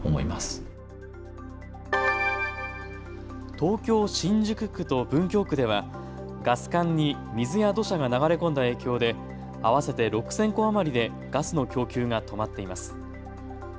東京新宿区と文京区ではガス管に水や土砂が流れ込んだ影響で合わせて６０００戸余りでガスの供給が止まっています。